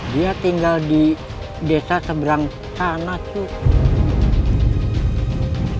dia tinggal di desa seberang sana sih